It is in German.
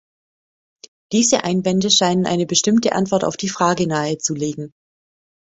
Diese Einwände scheinen eine bestimmte Antwort auf die Frage nahezulegen.